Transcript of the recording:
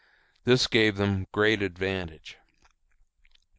This gave them great advantage.